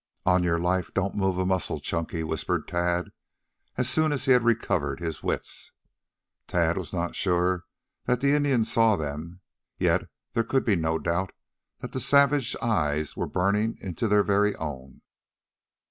"On your life, don't move a muscle, Chunky," whispered Tad, as soon as he had recovered his wits. Tad was not sure that the Indian saw them, yet there could be no doubt that the savage eyes were burning into their very own.